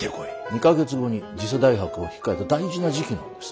２か月後に次世代博を控えた大事な時期なんです。